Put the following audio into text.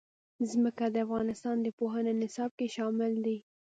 ځمکه د افغانستان د پوهنې نصاب کې شامل دي.